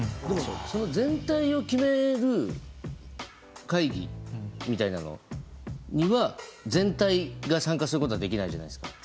その全体を決める会議みたいなのには全体が参加することはできないじゃないですか？